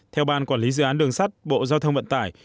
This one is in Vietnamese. theo ban quản lý dự án đường sắt bộ giao thông vận tải